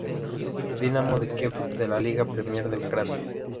Dinamo de Kiev de la Liga Premier de Ucrania.